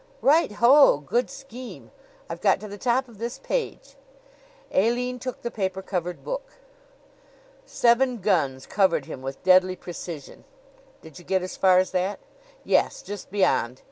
"Right ho! Good scheme! I've got to the top of this page." Aline took the paper covered book. "'Seven guns covered him with deadly precision.' Did you get as far as that?" "Yes; just beyond.